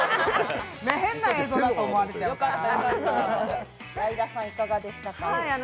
変な映像だと思われちゃうから。